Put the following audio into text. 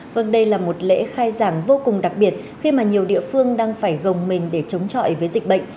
vâng đây là một lễ khai giảng vô cùng đặc biệt khi mà nhiều địa phương đang phải gồng mình để chống chọi với dịch bệnh